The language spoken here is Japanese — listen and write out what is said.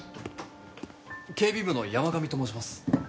警備部の山上と申します。